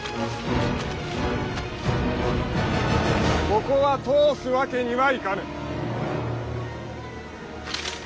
ここは通すわけにはいかぬ。